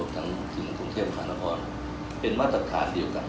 ทั้งถึงกรุงเทพฯภานะออนเป็นมาตรฐานเดียวกัน